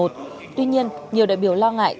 tuy nhiên nhiều đại biểu lo ngại